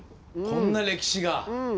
こんな歴史が。